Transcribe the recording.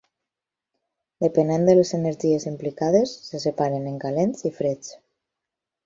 Depenent de les energies implicades, se separen en "calents" i "freds".